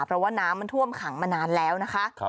เพราะว่าน้ำมันท่วมขังมานานแล้วนะคะ